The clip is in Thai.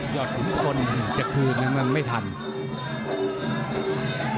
ยอดขุมคนแต่คืนนั้นมันไม่ทัน